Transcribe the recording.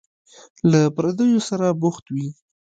له پردیو سره بوخت وي.